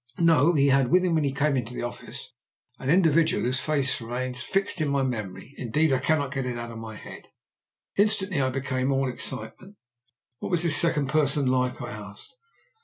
"No. He had with him, when he came into the office, an individual whose face remains fixed in my memory indeed I cannot get it out of my head." Instantly I became all excitement. "What was this second person like?" I asked.